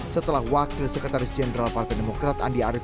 setelah wakil sekretaris jenderal partai demokrat andi arief